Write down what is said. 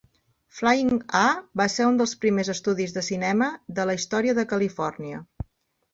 Flying A va ser un dels primers estudis de cinema de la història de Califòrnia.